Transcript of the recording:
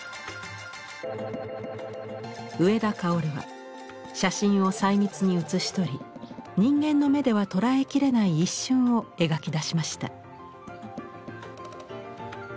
上田薫は写真を細密に写し取り人間の目では捉えきれない一瞬を描き出しました。